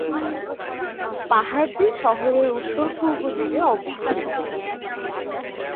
পাহাড়টি শহরের উত্তর-পূর্ব দিকে অবস্থিত।